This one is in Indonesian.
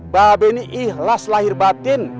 babe ini ikhlas lahir batin